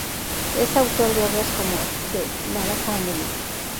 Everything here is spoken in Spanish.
Es autor de obras como "The Lara Family.